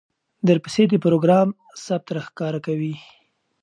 درپسې د پروګرام ثبت راښکاره کوي،